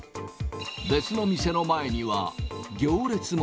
別の店の前には、行列も。